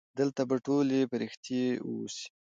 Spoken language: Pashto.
دلته به ټولې پرښتې اوسي.